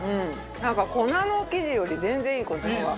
なんか粉の生地より全然いいこっちの方が。